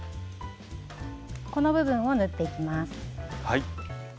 この部分を縫っていきます。